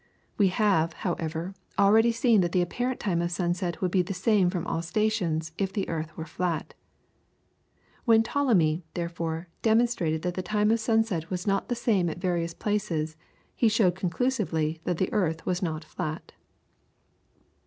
We have, however, already seen that the apparent time of sunset would be the same from all stations if the earth were flat. When Ptolemy, therefore, demonstrated that the time of sunset was not the same at various places, he showed conclusively that the earth was not flat.